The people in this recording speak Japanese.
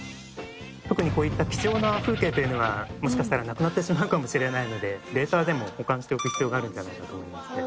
「特にこういった貴重な風景というのはもしかしたらなくなってしまうかもしれないのでデータでも保管しておく必要があるんじゃないかと思いまして」